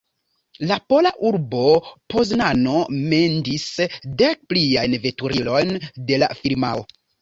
La pola urbo Poznano mendis dek pliajn veturilojn de la firmao.